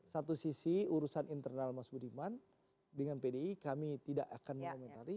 satu sisi urusan internal mas budiman dengan pdi kami tidak akan mengomentari